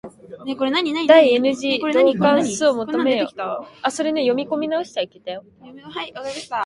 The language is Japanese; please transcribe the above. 第 n 次導関数求めとけ。